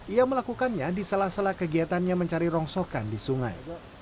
ia melakukannya di salah salah kegiatannya mencari rongsokan di sungai